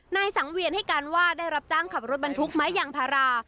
นายสังเวียนให้การว่าได้รับจ้างขับรถบรรทุกไม้ยางพารา